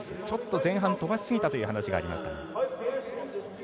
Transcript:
ちょっと前半飛ばしすぎたという話がありました。